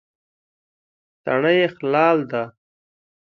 تڼۍ یې خلال ده.